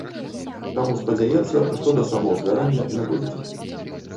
Таму спадзяецца, што да самаўзгарання не дойдзе.